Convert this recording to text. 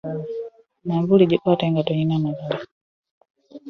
Manvuli gikwate nga toyina Malala.